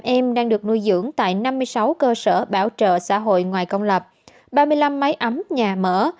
hai chín trăm sáu mươi tám em đang được nuôi dưỡng tại năm mươi sáu cơ sở bảo trợ xã hội ngoài công lập ba mươi năm máy ấm nhà mở